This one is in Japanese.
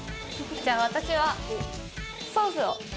じゃあ私はソースを。